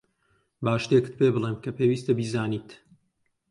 با شتێکت پێبڵێم کە پێویستە بیزانیت.